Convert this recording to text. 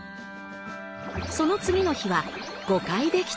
その次の日は５回できた。